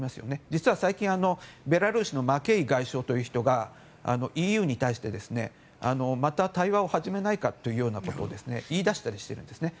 実は最近、ベラルーシのマケイ外相という人がＥＵに対してまた対話を始めないかということを言い出したりしているんですね。